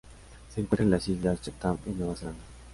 Se encuentra en las Islas Chatham en Nueva Zelanda